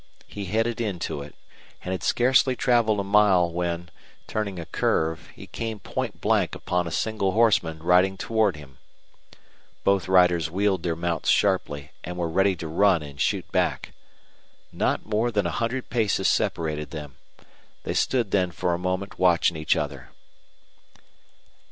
He headed into it, and had scarcely traveled a mile when, turning a curve, he came point blank upon a single horseman riding toward him. Both riders wheeled their mounts sharply and were ready to run and shoot back. Not more than a hundred paces separated them. They stood then for a moment watching each other.